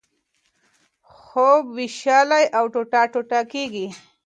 خوب وېشلی او ټوټه ټوټه کېږي.